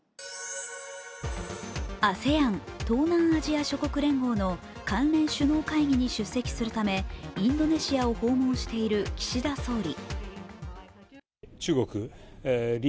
ＡＳＥＡＮ＝東南アジア諸国連合の関連首脳会議に出席するためインドネシアを訪問している岸田総理。